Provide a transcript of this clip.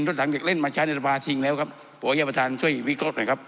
รถถังเด็กเล่นมาใช้ในภาคทิศจริงแล้วครับป่าวเยี่ยมประธานช่วยวิเคราะห์หน่อยครับ